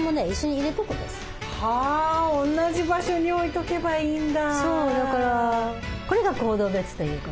おんなじ場所に置いとけばいいんだ。